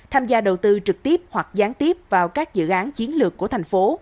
tham gia đầu tư trực tiếp hoặc gián tiếp vào các dự án chiến lược của thành phố